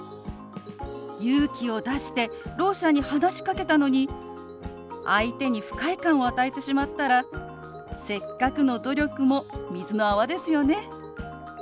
勇気を出してろう者に話しかけたのに相手に不快感を与えてしまったらせっかくの努力も水の泡ですよね。